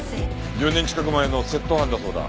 １０年近く前の窃盗犯だそうだ。